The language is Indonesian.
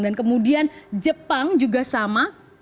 dan kemudian jepang juga sama